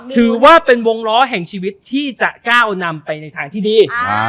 ถือว่าเป็นวงล้อแห่งชีวิตที่จะก้าวนำไปในทางที่ดี